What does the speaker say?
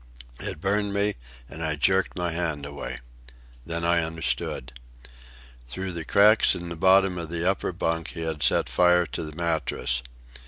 It burned me, and I jerked my hand away. Then I understood. Through the cracks in the bottom of the upper bunk he had set fire to the mattress.